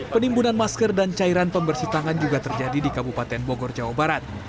penimbunan masker dan cairan pembersih tangan juga terjadi di kabupaten bogor jawa barat